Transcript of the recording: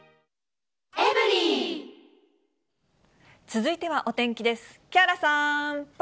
続いてはお天気です。